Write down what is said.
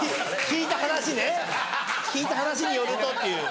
聞いた話によるとっていう。